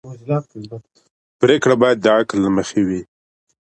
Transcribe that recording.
پرېکړې باید د عقل له مخې وي